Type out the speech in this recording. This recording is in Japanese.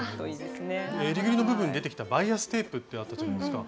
えりぐりの部分に出てきたバイアステープってあったじゃないですか。